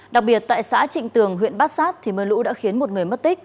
đặc biệt tại xã trịnh tường huyện bát sát thì mưa lũ đã khiến một người mất tích